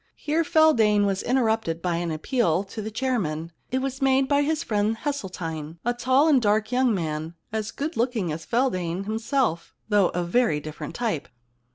Here Feldane was interrupted by an appeal to the chairman. It was made by his friend Hesseltine, a tall and dark young man, as good looking as Feldane himself, though of a very different type.